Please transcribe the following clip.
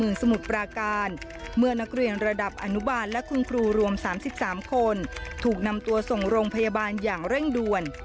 สมุทรปราการเมื่อนักเรียนระดับอนุบาลและคุณครูรวม๓๓คนถูกนำตัวส่งโรงพยาบาลอย่างเร่งด่วน